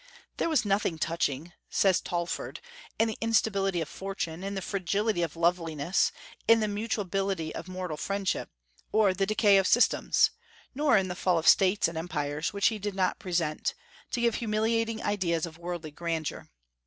"There was nothing touching," says Talfourd, "in the instability of fortune, in the fragility of loveliness, in the mutability of mortal friendship, or the decay of systems, nor in the fall of States and empires, which he did not present, to give humiliating ideas of worldly grandeur.